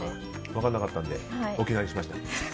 分かんなかったんで沖縄にしました。